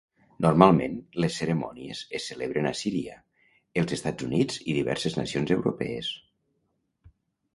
Normalment, les cerimònies es celebren a Síria, els Estats Units i diverses nacions europees.